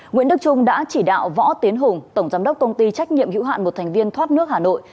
nguyễn đức trung đã chỉ đạo võ tiến hùng tổng giám đốc công ty trách nhiệm hữu hạn một thành viên thoát nước hà nội